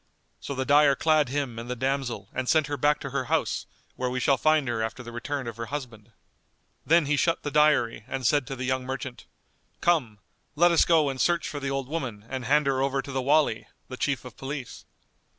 So the dyer clad him and the damsel and sent her back to her house where we shall find her after the return of her husband. Then he shut the dyery and said to the young merchant, "Come, let us go and search for the old woman and hand her over to the Wali,[FN#198] the Chief of Police."